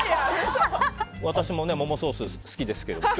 私も、ももソース好きですけどね